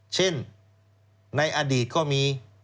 เช่นในอดีตก็มี